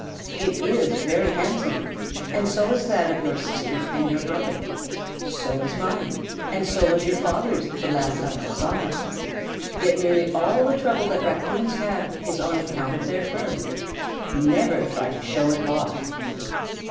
It is very handsome, and so is that of your sisters and your brother. So is mine, and so was your father's the last time I saw him. Yet nearly all the trouble that Raccoons have is on account of their fur. Never try to show it off."